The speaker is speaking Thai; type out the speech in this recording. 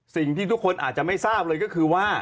สิ่งที่ทุกคนอาจจะไม่ทราบเลยก็คือว่า